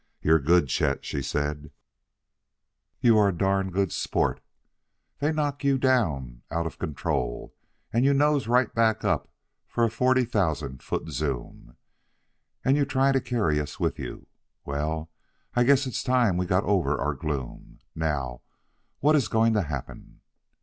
"You're good, Chet," she said; "you are a darn good sport. They knock you down out of control, and you nose right back up for a forty thousand foot zoom. And you try to carry us with you. Well, I guess it's time we got over our gloom. Now what is going to happen?"